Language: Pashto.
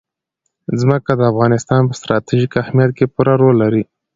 ځمکه د افغانستان په ستراتیژیک اهمیت کې پوره رول لري.